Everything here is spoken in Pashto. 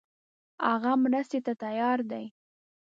هغه مرستې ته تیار دی.